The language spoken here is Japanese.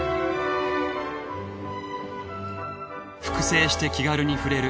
複製して気軽に触れる。